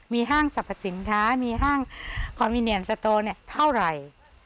มีห้างสรรพสินค้ามีห้างคอนมิเนียมสโตเท่าไหร่